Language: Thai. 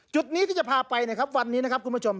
จุดนี้ที่จะพาไปในวันนี้ครับคุณผู้ชม